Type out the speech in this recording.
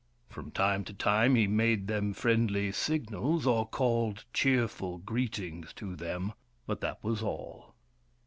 From time to time he made them friendly signals, or called cheerful greetings to them, but that was all.